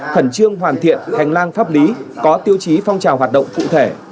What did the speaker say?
khẩn trương hoàn thiện hành lang pháp lý có tiêu chí phong trào hoạt động cụ thể